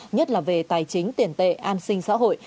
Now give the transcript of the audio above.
nhất là về tài chính tiền tệ an sinh xã hội